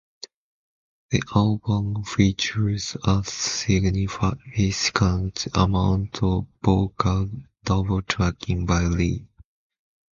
The album features a significant amount of vocal double-tracking by Lee.